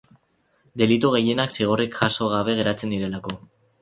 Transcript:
Delitu gehienak zigorrik jaso gabe geratzen direlako.